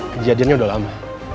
kejadiannya udah lama